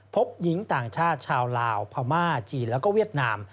พบหญิงต่างชาติชาวลาวพม่าจีนแล้วก็เวียดนาม